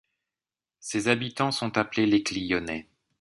Ses habitants sont appelés les Clionnais.